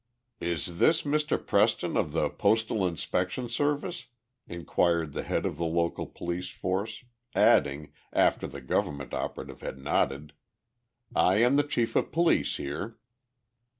"Is this Mr. Preston of the Postal Inspection Service?" inquired the head of the local police force, adding, after the government operative had nodded. "I am the chief of police here."